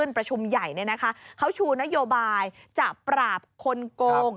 ประชุมใหญ่เขาชูนโยบายจะปราบคนโกง